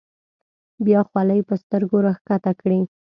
بیا خولۍ په سترګو راښکته کړي.